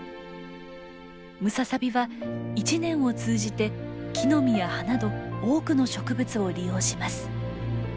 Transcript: ムササビは１年を通じて木の実や葉など多くの植物を利用します。